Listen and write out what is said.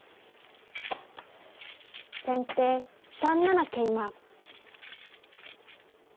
先手３七桂馬。